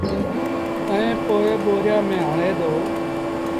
ائيٚݩ پو ٻوريآݩ ميݩ هڻي دو